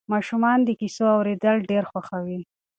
ماشومان د کیسو اورېدل ډېر خوښوي.